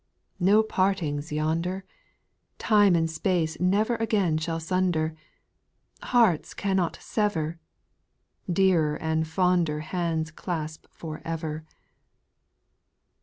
3. No partings yonder !— Time and space never Again shall sunder, — Hearts cannot sever, — Dearer and fonder Hands clasp for ever.